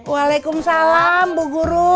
waalaikumsalam bu guru